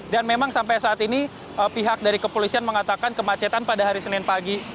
dan memang sampai saat ini pihak dari kepolisian mengatakan kemacetan pada hari senin pagi